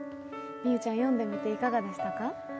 美羽ちゃん、読んでみていかがでしたか？